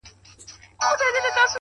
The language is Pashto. هره ستونزه د فکر د بدلون لامل ده؛